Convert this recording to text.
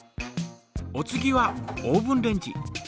お次はオーブンレンジ。